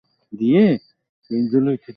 একটা সিগার খাও।